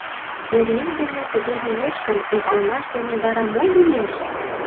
Пӧръеҥ дене тыге лиеш гын, ӱдырамаш дене вара мо лиеш?